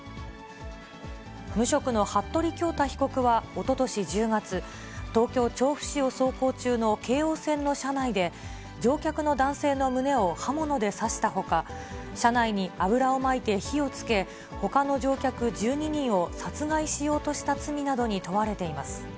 無職の服部恭太被告はおととし１０月、東京・調布市を走行中の京王線の車内で、乗客の男性の胸を刃物で刺したほか、車内に油をまいて火をつけ、ほかの乗客１２人を殺害しようとした罪などに問われています。